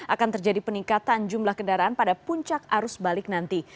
akan terjadi peningkatan jumlah kendaraan pada puncak arus balik nanti